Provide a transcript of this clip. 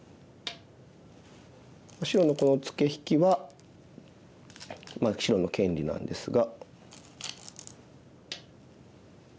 白のこのツケ引きは白の権利なんですが。